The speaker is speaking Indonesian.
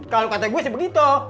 kalau kata gue sih begitu